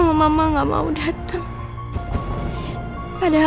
aku bangun dengan pierwsa di rumah nye